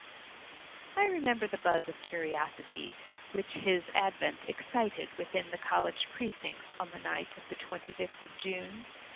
I remember the buzz of curiosity which his advent excited within the college precincts on the night of the twenty fifth of June.